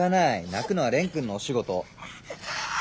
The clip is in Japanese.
泣くのは蓮くんのお仕事。